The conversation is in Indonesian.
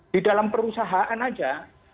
di dalam perusahaan aja